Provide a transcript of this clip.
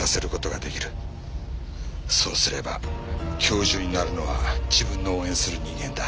そうすれば教授になるのは自分の応援する人間だ。